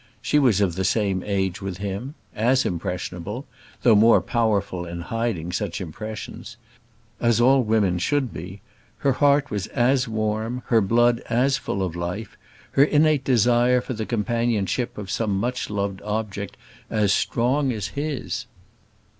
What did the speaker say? She was of the same age with him; as impressionable, though more powerful in hiding such impressions, as all women should be; her heart was as warm, her blood as full of life, her innate desire for the companionship of some much loved object as strong as his.